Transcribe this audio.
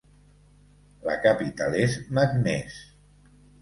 La capital és Meknès.